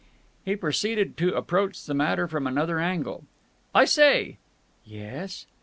He proceeded to approach the matter from another angle. "I say!" "Yes?"